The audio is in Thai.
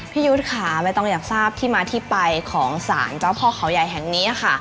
ยุทธ์ค่ะใบตองอยากทราบที่มาที่ไปของสารเจ้าพ่อเขาใหญ่แห่งนี้ค่ะ